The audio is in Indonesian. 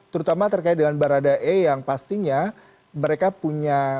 terutama terkait dengan baradai e yang pastinya mereka punya